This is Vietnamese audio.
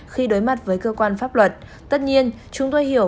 khi đối mặt với cơ quan pháp luật tất nhiên chúng tôi hiểu